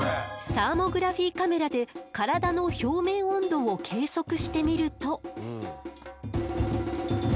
サーモグラフィーカメラで体の表面温度を計測してみると。